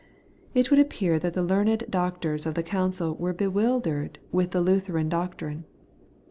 It would appear that the learned doctors of the Council were bewildered with the Lutheran doctrine.